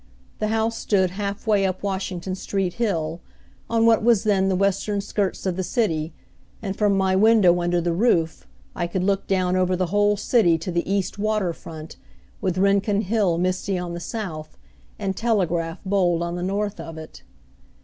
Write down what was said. The house stood half way up Washington Street Hill, on what was then the western skirts of the city, and from my window under the roof I could look down over the whole city to the east water front, with Rincon Hill misty on the south, and Telegraph bold on the north of it.